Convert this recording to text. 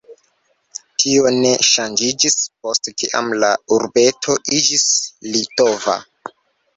Tio ne ŝanĝiĝis, post kiam la urbeto iĝis litova.